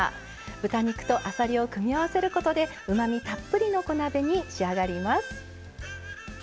豚肉とあさりを組み合わせることでうまみたっぷりの小鍋に仕上がります。